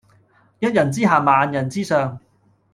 一人之下萬人之上